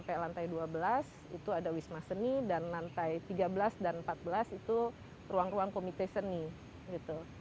sampai lantai dua belas itu ada wisma seni dan lantai tiga belas dan empat belas itu ruang ruang komite seni gitu